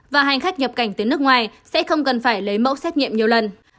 và hành khách nhập cảnh từ nước ngoài sẽ không cần phải lấy mẫu xét nghiệm nhiều lần